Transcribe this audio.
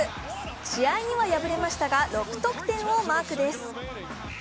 試合には敗れましたが６得点をマークです。